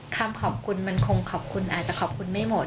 คำขอบคุณมันคงขอบคุณอาจจะขอบคุณไม่หมด